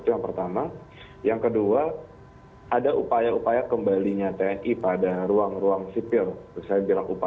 itu yang pertama yang kedua ada upaya upaya kembalinya tni pada ruang ruang sipil saya bilang upaya